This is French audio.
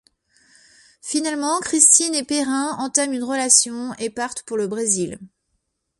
Finalement, Christine et Perrin entament une relation, et partent pour le Brésil.